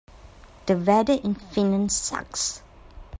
The weather in Finland sucks.